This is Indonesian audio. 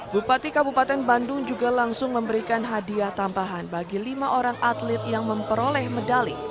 bupati kabupaten bandung juga langsung memberikan hadiah tambahan bagi lima orang atlet yang memperoleh medali